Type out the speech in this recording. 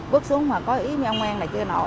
bước xuống mà có ý ông an này kia nọ